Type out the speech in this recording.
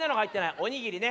おにぎりね。